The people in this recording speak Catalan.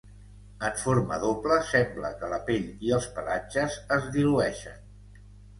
En forma doble sembla que la pell i els pelatges es dilueixen.